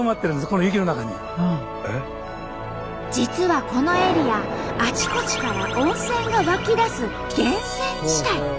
実はこのエリアあちこちから温泉が湧き出す源泉地帯。